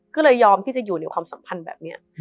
ก็เลยยอมที่จะอยู่ในความสัมพันธ์แบบนี้